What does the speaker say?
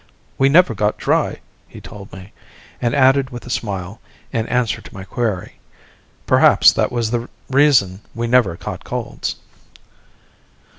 "We never got dry," he told me; and added with a smile, in answer to my query: "Perhaps that was the reason we never caught colds."